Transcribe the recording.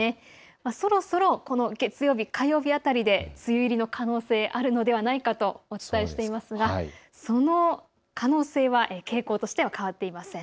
そろそろ、月曜日、火曜日辺りで梅雨入りの可能性あるのではないかとお伝えしていますがその可能性は傾向としては変わっていません。